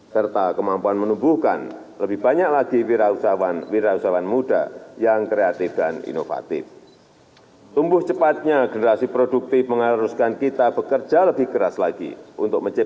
seperti yang anda lihat di gambar ini